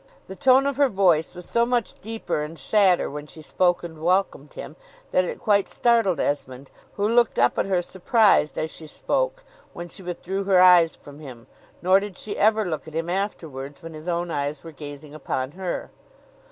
The tone of her voice was so much deeper and sadder when she spoke and welcomed him, that it quite startled Esmond, who looked up at her surprised as she spoke, when she withdrew her eyes from him; nor did she ever look at him afterwards when his own eyes were gazing upon her.